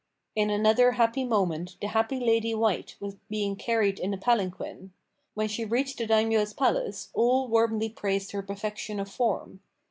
In another happy moment the happy Lady White was being carried in a palanquin. When she reached the Daimyo's palace all warmly praised her perfection of form.